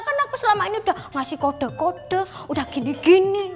kan aku selama ini udah ngasih kode kode udah gini gini